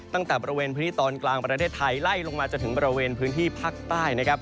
ตั้งแต่บริเวณพื้นที่ตอนกลางประเทศไทยไล่ลงมาจนถึงบริเวณพื้นที่ภาคใต้นะครับ